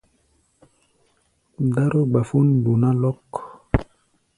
Dáró-gbafón duna lɔ́k.